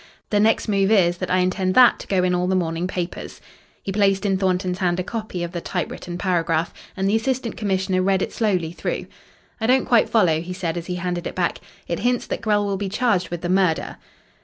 The next move is, that I intend that to go in all the morning papers." He placed in Thornton's hand a copy of the typewritten paragraph, and the Assistant Commissioner read it slowly through. "I don't quite follow," he said as he handed it back. "It hints that Grell will be charged with the murder."